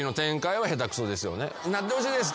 「なってほしいです」